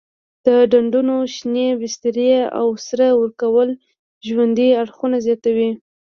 د ډنډونو شینې بسترې او سره ورکول ژوندي خواړه زیاتوي.